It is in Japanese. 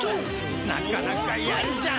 なかなかやるじゃん。